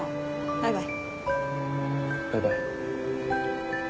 バイバイ。